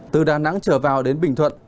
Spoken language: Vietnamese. từ đà nẵng trở vào đến bình thuận